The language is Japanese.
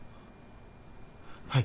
はい。